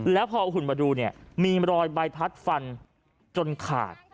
แล้วพอเอาหุ่นมาดูเนี่ยมีรอยใบพัดฟันจนขาด